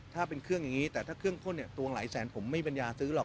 ถ้าเป็นเครื่องอย่างนี้แต่ถ้าเครื่องพ่นเนี่ยตัวหลายแสนผมไม่ปัญญาซื้อหรอก